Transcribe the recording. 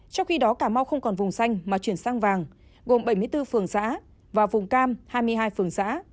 trong khi đó cà mau không còn vùng xanh mà chuyển sang vàng gồm bảy mươi bốn phường xã và vùng cam hai mươi hai phường xã